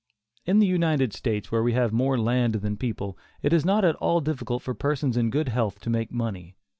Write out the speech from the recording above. In the United States, where we have more land than people, it is not at all difficult for persons in good health to make money.